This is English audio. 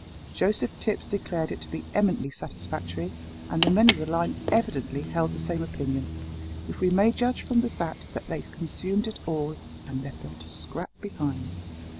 Joseph Tipps declared it to be eminently satisfactory, and the men of the line evidently held the same opinion, if we may judge from the fact that they consumed it all, and left not a scrap behind.